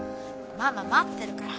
ママ待ってるから。